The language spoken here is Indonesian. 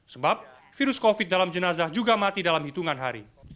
sebab virus covid dalam jenazah juga mati dalam hitungan hari